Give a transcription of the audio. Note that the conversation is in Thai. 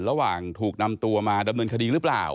ระหว่างถูกนำตัวมาดำเนินคดีหรือเปล่า